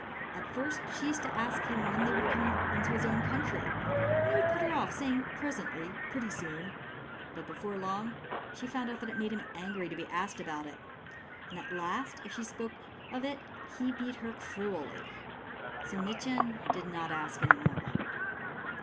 At first she used to ask him when they would come to his own country, and he would put her off, saying, " Presently — pretty soon." But before long she found that it made him angry to be asked about it ; and at last, if she spoke of it, he beat her cruelly. So Mitjen did not ask any more.